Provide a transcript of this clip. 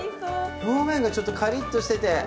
表面がちょっとカリッとしてて。